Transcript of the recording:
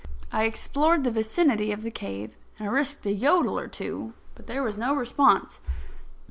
I explored the vicinity of the cave, and risked a yodel or two, but there was no response.